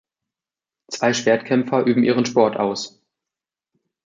Zwei Schwertkämpfer üben ihren Sport aus.